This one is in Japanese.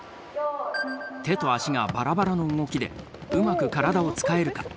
手と足がバラバラの動きでうまく体を使えるか？